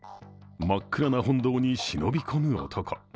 真っ暗な本堂に忍び込む男。